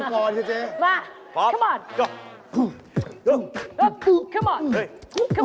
ร้องเป็นนานเดี๋ยวมาก่อนเจ๊